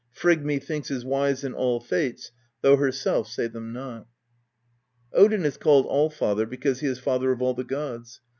Frigg, methinks, is wise in all fates. Though herself say them not! Odin is called Allfather because he is father of all the gods.